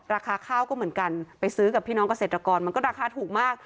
ราคาข้าวก็เหมือนกันไปซื้อกับพี่น้องเกษตรกรมันก็ราคาถูกมาก